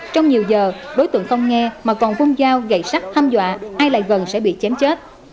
trong nhiều giờ đối tượng không nghe mà còn vung dao gậy sắt ham dọa ai lại gần sẽ bị chém chết